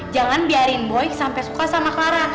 jangan biarin boy sampai suka sama clara